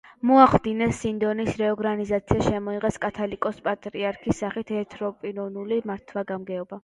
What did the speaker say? მოახდინეს სინოდის რეორგანიზაცია; შემოიღეს კათალიკოს-პატრიარქის სახით ერთპიროვნული მართვა-გამგეობა.